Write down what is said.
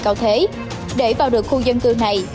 cao thế để vào được khu dân cư này